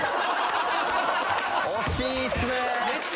惜しいっすね。